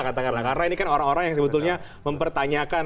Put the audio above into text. karena ini kan orang orang yang sebetulnya mempertanyakan